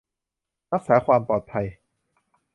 รักษาความปลอดภัย